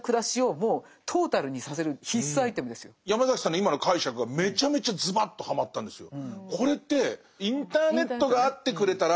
だからヤマザキさんの今の解釈がめちゃめちゃズバッとはまったんですよ。